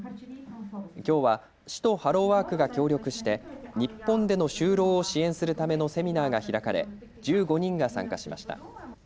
きょうは市とハローワークが協力して日本での就労を支援するためのセミナーが開かれ１５人が参加しました。